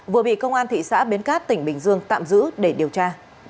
vừa bị công an thị xã bến cát tỉnh bình dương tạm giữ để điều tra